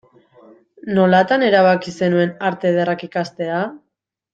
Nolatan erabaki zenuen Arte Ederrak ikastea?